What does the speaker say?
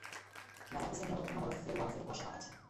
Maleficent যতক্ষণ না বরফের বরফের কুয়াশা পাঠাচ্ছে।